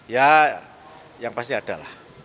ya yang pasti ada lah